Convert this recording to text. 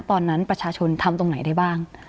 ตอนนั้นประชาชนทำตรงไหนได้บ้าง